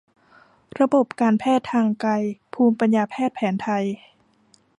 ระบบการแพทย์ทางไกล ภูมิปัญญาแพทย์แผนไทย